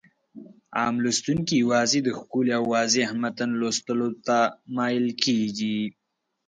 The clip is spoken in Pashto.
عام لوستونکي يوازې د ښکلي او واضح متن لوستلو ته مايل کېږي.